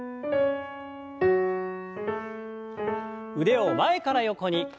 腕を前から横に。